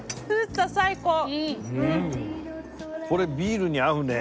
これビールに合うね。